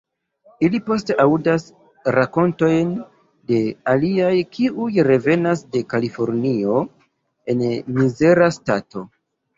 Ili poste aŭdas rakontojn de aliaj kiuj revenas de Kalifornio en mizera stato.